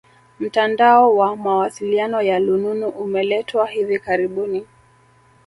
Mtandao wa mawasiliano ya lununu umeletwa hivi karibuni